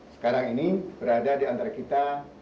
sekarang ini berada di antara kita